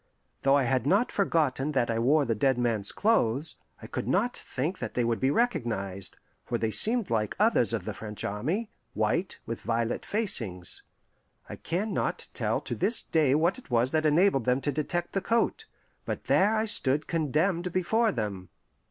Though I had not forgotten that I wore the dead man's clothes, I could not think that they would be recognized, for they seemed like others of the French army white, with violet facings. I can not tell to this day what it was that enabled them to detect the coat; but there I stood condemned before them.